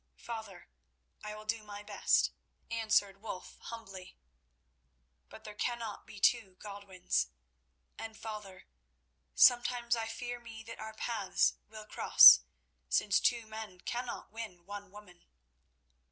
"Father, I will do my best," answered Wulf humbly; "but there cannot be two Godwins; and, father, sometimes I fear me that our paths will cross, since two men cannot win one woman."